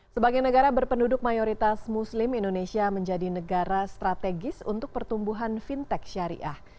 sebagai negara berpenduduk mayoritas muslim indonesia menjadi negara strategis untuk pertumbuhan fintech syariah